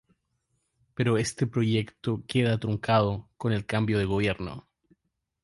Pero este proyecto queda truncado con el cambio de gobierno.